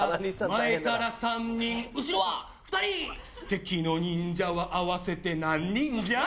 「前から３人後ろは２人」「敵の忍者は合わせて何人じゃ？」